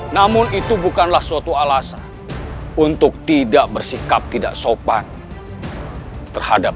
namun itu bukanlah suatu alasan untuk tidak bersikap tidak sopan terhadap